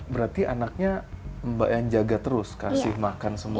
berarti anaknya mbak yang jaga terus kasih makan semua